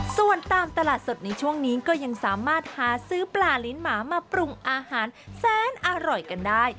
ส่วนตามตลาดสดในช่วงนี้ก็ยังสามารถหาซื้อปลาลิ้นหมามาปรุงอาหารแสนอร่อยกันได้